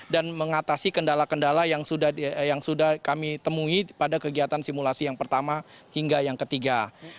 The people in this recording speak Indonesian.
dan mengatasi kendala kendala yang sudah kami temui pada kegiatan simulasi yang pertama hingga yang ketiga